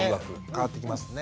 変わってきますね。